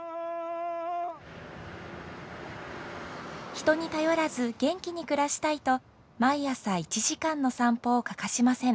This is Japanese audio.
人に頼らず元気に暮らしたいと毎朝１時間の散歩を欠かしません。